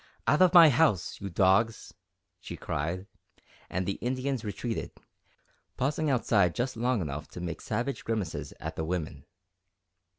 "Out of my house, you dogs!" she cried, and the Indians retreated, pausing outside just long enough to make savage grimaces at the women.